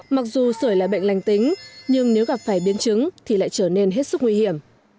mặc dù sởi là bệnh lành tính nhưng nếu gặp phải biến chứng thì lại trở nên hết sức nguy hiểm